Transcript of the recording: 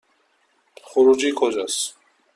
خروجی کجاست؟